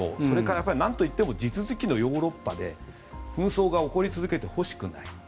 それからなんといっても地続きのヨーロッパで紛争が起こり続けてほしくない。